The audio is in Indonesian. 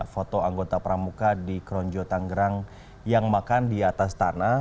foto anggota pramuka di kronjo tanggerang yang makan di atas tanah